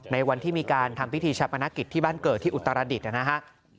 ในวันที่มีการทำพิธีชาปนกิจที่บ้านเกิดที่อุตรดิษฐ์นะฮะ